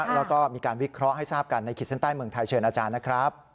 แล้วก็มีการวิเคราะห์ให้ทราบกันในขีดเส้นใต้เมืองไทยเชิญอาจารย์นะครับ